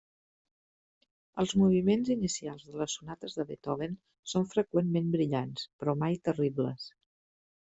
Els moviments inicials de les sonates de Beethoven són freqüentment brillants, però mai terribles.